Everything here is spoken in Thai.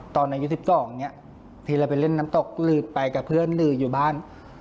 ตอนในยูสิบสิบสองอย่างเงี้ยทีละไปเล่นน้ำตกหรือไปกับเพื่อนหรืออยู่บ้าน